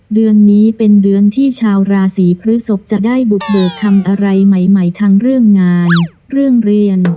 เดือนนี้เป็นเดือนที่ชาวราศีพฤศพจะได้บุกเบิกทำอะไรใหม่ทั้งเรื่องงานเรื่องเรียน